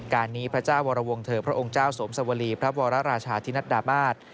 การนี้พระเจ้าวรวงเถอพระองค์เจ้าสวมสวรีพระวรราชาธินัดดามาศ